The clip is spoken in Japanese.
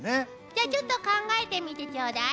じゃちょっと考えてみてちょうだい。